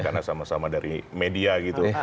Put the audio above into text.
karena sama sama dari media gitu